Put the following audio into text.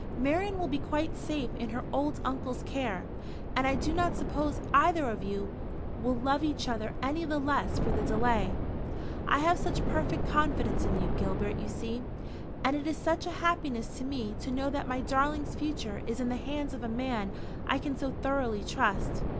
"Marian will be quite safe in her old uncle's care; and I do not suppose either of you will love each other any the less for the delay. I have such perfect confidence in you, Gilbert, you see; and it is such a happiness to me to know that my darling's future is in the hands of a man I can so thoroughly trust.